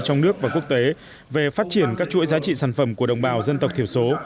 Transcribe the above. trong nước và quốc tế về phát triển các chuỗi giá trị sản phẩm của đồng bào dân tộc thiểu số